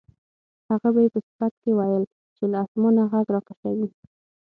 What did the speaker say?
هغه به یې په صفت کې ویل چې له اسمانه غږ راکشوي.